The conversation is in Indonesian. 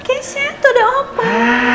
keisha tuh ada opa